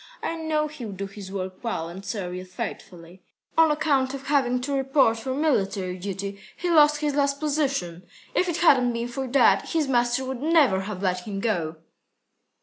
I know he'll do his work well and serve you faithfully. On account of having to report for military duty, he lost his last position. If it hadn't been for that, his master would never have let him go."